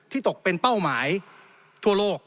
ตกเป็นเป้าหมายทั่วโลก